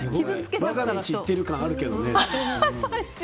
我が道行ってる感あるけどね。